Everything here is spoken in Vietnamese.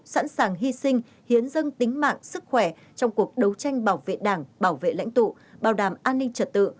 sẵn sàng hy sinh hiến dân tính mạng sức khỏe trong cuộc đấu tranh bảo vệ đảng bảo vệ lãnh tụ bảo đảm an ninh trật tự